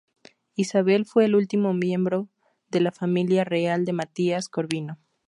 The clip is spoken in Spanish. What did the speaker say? Isabel fue el último miembro de la familia real de Matías Corvino.